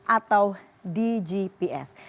atau di gps